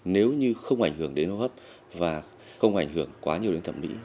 nếu như không ảnh hưởng đến hô hấp và không ảnh hưởng quá nhiều đến thẩm mỹ